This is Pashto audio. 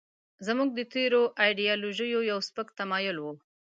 زموږ د تېرو ایډیالوژیو یو سپک تمایل و.